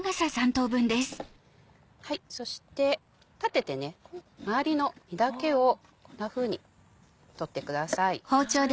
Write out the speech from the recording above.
そして立てて周りの実だけをこんなふうに取ってください。